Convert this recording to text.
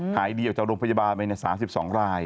หายดีออกจากโรงพยาบาลไป๓๒ราย